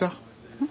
うん。